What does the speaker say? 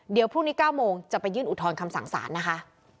เดี๋ยวพรุ่งนี้๙โมงจะไปยื่นอุทธรณ์คำสั่งสารนะคะ